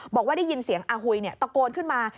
บอกว่าได้ยินเสียงอาหุยตะโกนขึ้นมา